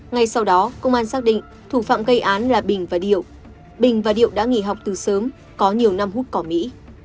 ngay sau đó công an xác định thủ phạm gây án là bình và điệu bình và điệu đã nghỉ học từ sớm có nhiều năm hút cỏ mỹ